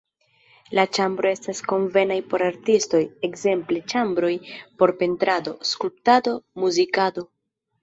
La ĉambroj estas konvenaj por artistoj, ekzemple ĉambroj por pentrado, skulptado, muzikado.